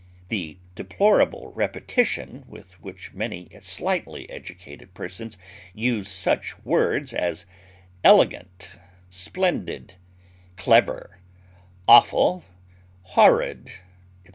The deplorable repetition with which many slightly educated persons use such words as "elegant," "splendid," "clever," "awful," "horrid," etc.